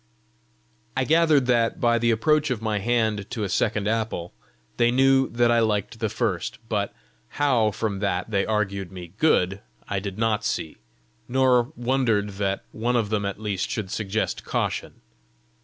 I gathered that, by the approach of my hand to a second apple, they knew that I liked the first; but how from that they argued me good, I did not see, nor wondered that one of them at least should suggest caution.